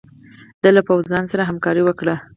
ده له پوځونو سره همکاري وکړي.